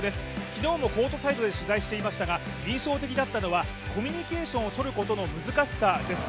昨日もコートサイドで取材していましたが、印象的だったのはコミュニケーションを取ることの難しさです。